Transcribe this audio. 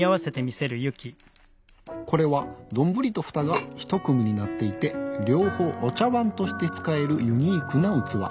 これはどんぶりと蓋が１組になっていて両方お茶わんとして使えるユニークな器。